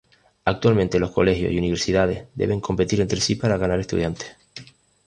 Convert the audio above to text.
Actualmente los colegios y universidades deben competir entre sí para ganar estudiantes.